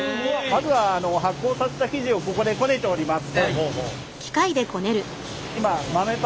まずは発酵させた生地をここでこねております。